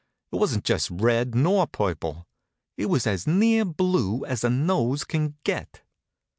It wasn't just red, nor purple. It was as near blue as a nose can get.